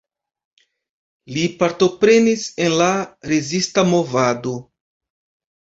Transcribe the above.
Li partoprenis en la rezista movado.